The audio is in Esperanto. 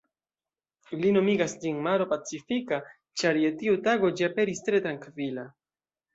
Li nomigas ĝin maro pacifika, ĉar je tiu tago ĝi aperis tre trankvila.